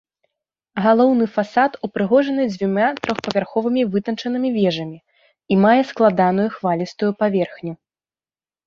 Галоўны фасад упрыгожаны дзвюма трохпавярховымі вытанчанымі вежамі і мае складаную хвалістую паверхню.